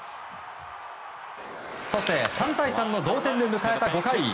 そして３対３の同点で迎えた５回。